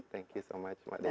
thank you so much mak desi